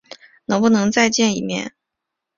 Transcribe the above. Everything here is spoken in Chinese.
能不能再见一面？